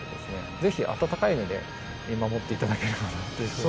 ぜひ温かい目で見守って頂ければなというふうに。